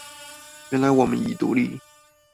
原來我們已獨立